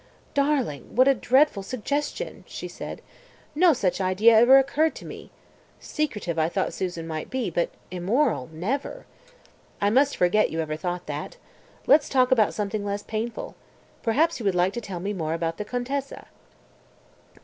"Darling, what a dreadful suggestion," she said. "No such idea ever occurred to me. Secretive I thought Susan might be, but immoral, never. I must forget you ever thought that. Let's talk about something less painful. Perhaps you would like to tell me more about the Contessa."